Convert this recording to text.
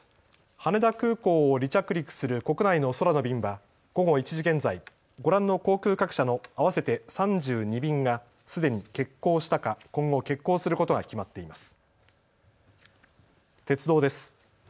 羽田空港を離着陸する国内の空の便は午後１時現在、ご覧の航空各社の合わせて３２便がすでに欠航したか、今後、欠航することが決まっています。